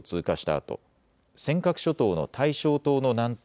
あと尖閣諸島の大正島の南東